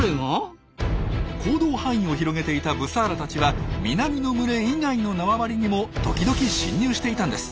行動範囲を広げていたブサーラたちは南の群れ以外の縄張りにも時々侵入していたんです。